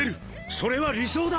それは理想だ！